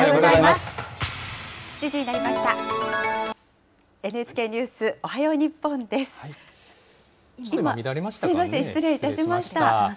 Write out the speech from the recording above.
すみません、失礼いたしました。